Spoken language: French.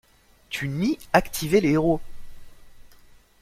Tu nies activer les héros.